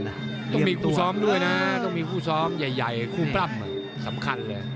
ต้องมีคู่ซ้อมด้วยนะต้องมีคู่ซ้อมใหญ่คู่ปล้ำสำคัญเลย